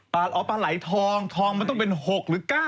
ปลาไหลทองทองมันต้องเป็น๖หรือ๙